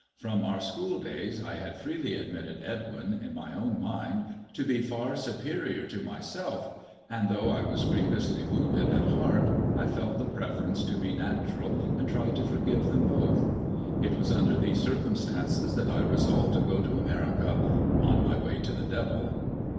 From our school days I had freely admitted Edwin, in my own mind, to be far superior to myself; and, though I was grievously wounded at heart, I felt the preference to be natural, and tried to forgive them both. It was under these circumstances that I resolved to go to America — on my way to the Devil.